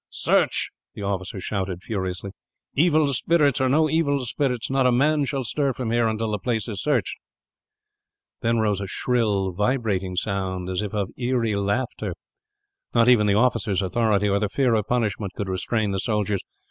"Search!" the officer shouted, furiously. "Evil spirits or no evil spirits, not a man shall stir from here, until the place is searched." Then rose a shrill, vibrating sound, as if of eerie laughter. Not even the officer's authority, or the fear of punishment, could restrain the soldiers.